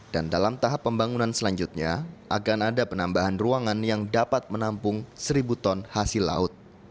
dan dalam tahap pembangunan selanjutnya akan ada penambahan ruangan yang dapat menampung seribu ton hasil laut